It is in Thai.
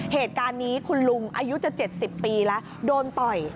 เหตุการณ์นี้คุณลุงอายุจะ๗๐ปีแล้วโดนต่อย